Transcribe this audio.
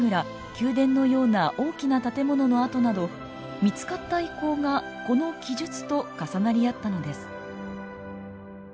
宮殿のような大きな建物の跡など見つかった遺構がこの記述と重なり合ったのです。